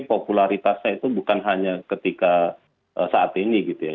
popularitasnya itu bukan hanya ketika saat ini gitu ya